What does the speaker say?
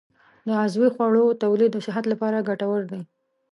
د عضوي خوړو تولید د صحت لپاره ګټور دی.